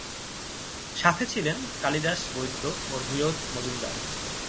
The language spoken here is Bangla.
সাথে ছিলেন কালিদাস বৈদ্য ও নিরোধ মজুমদার।